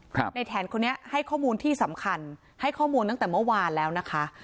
ในแถนคนนี้ให้ข้อมูลที่สำคัญให้ข้อมูลตั้งแต่เมื่อวานแล้วนะคะ